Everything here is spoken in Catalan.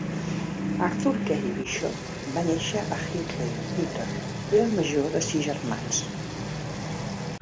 Arthur Gary Bishop va néixer a Hinckley, Utah, i era el major de sis germans.